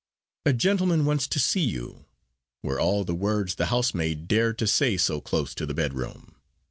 "A gentleman wants you," were all the words the housemaid dared to say so close to the bedroom.